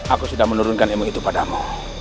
aku sudah menurunkan emosi itu padamu